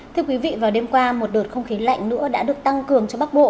thưa quý vị vào đêm qua một đợt không khí lạnh nữa đã được tăng cường cho bắc bộ